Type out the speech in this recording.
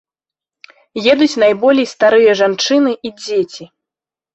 Едуць найболей старыя, жанчыны і дзеці.